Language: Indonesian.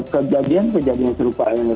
kejadian kejadian serupa yang seperti itu